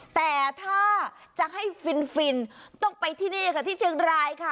แต่ถ้าจะให้ฟินต้องไปที่นี่ค่ะที่เชียงรายค่ะ